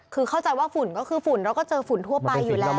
คือเข้าใจว่าฝุ่นก็คือฝุ่นเราก็เจอฝุ่นทั่วไปอยู่แล้ว